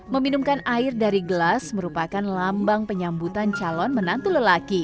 meminumkan air dari gelas merupakan lambang penyambutan calon menantu lelaki